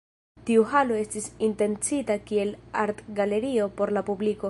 Tiu Halo estis intencita kiel artgalerio por la publiko.